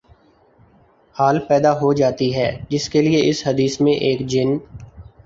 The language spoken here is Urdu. حال پیدا ہو جاتی ہے جس کے لیے اس حدیث میں ایک جن